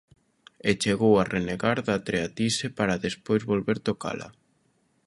E chegou a renegar de Treatise para despois volver tocala.